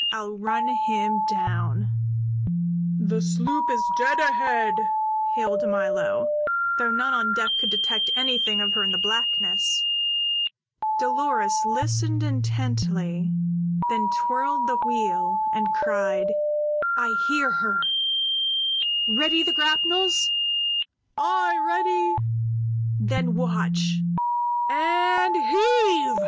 I'll run him down!" "The sloop is dead ahead!" hailed Milo, though none on deck could detect anything of her in the blackness. Dolores listened intently; then twirled the wheel, and cried: "I hear her! Ready the grapnels?" "Aye, ready!" "Then watch and heave!"